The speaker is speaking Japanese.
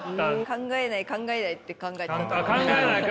「考えない考えない」って考えてた。